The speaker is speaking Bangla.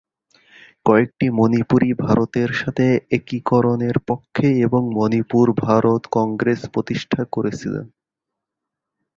কয়েকটি মণিপুরি ভারতের সাথে একীকরণের পক্ষে এবং মণিপুর ভারত কংগ্রেস প্রতিষ্ঠা করেছিলেন।